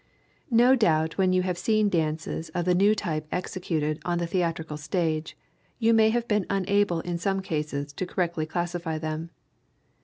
No doubt when you have seen dances of the new type executed on the theatrical stage you may have been unable in some cases to correctly classify them.